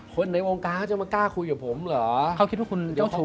ในวงการเขาจะมากล้าคุยกับผมเหรอเขาคิดว่าคุณเจ้าชู้